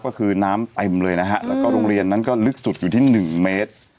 ก็คือน้ำเต็มเลยนะฮะแล้วก็โรงเรียนนั้นก็ลึกสุดอยู่ที่๑เมตร